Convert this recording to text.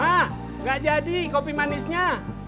pak gak jadi kopi manisnya